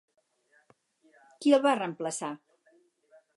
Qui el va reemplaçar?